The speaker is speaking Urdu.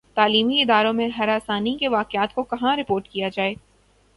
تعلیمی اداروں میں ہراسانی کے واقعات کو کہاں رپورٹ کیا جائے